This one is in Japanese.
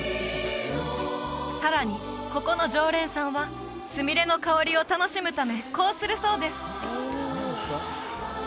さらにここの常連さんはすみれの香りを楽しむためこうするそうです